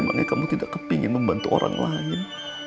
makanya kamu tidak kepingin membantu orang lain